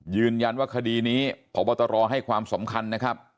ยืนยันว่าคดีนี้พบตรให้ความสำคัญนะครับ